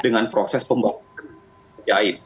dengan proses pembangunan jahit